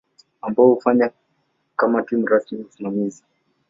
ambayo hufanya kama timu rasmi ya usimamizi.